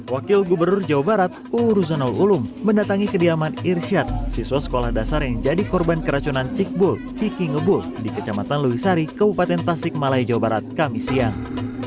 wakil gubernur jawa barat uruzono ulum mendatangi kediaman irsyad siswa sekolah dasar yang jadi korban keracunan cikbul cikingebul di kecamatan louisari keupatan tasikmalaya jawa barat kami siang